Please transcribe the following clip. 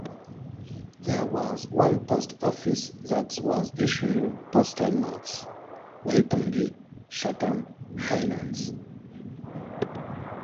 There was one post office that was issuing postal notes - Waitangi, Chatham Islands.